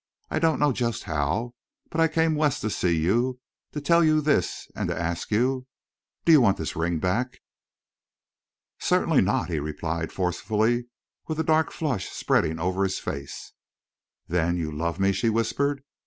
I don't know just how. But I came West to see you—to tell you this—and to ask you.... Do you want this ring back?" "Certainly not," he replied, forcibly, with a dark flush spreading over his face. "Then—you love me?" she whispered.